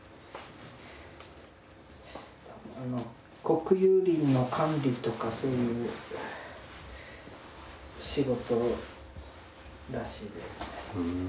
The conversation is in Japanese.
国有林の管理とかそういう仕事らしいです。